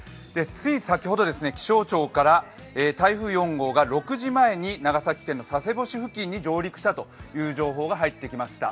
つい先ほど、気象庁から台風４号が６時前に長崎県の佐世保市付近に上陸したという情報が入ってきました。